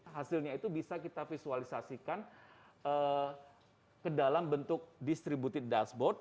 hasilnya itu bisa kita visualisasikan ke dalam bentuk distributed dashboard